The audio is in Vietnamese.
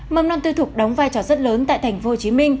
mầm non tư thục đóng vai trò rất lớn tại tp hcm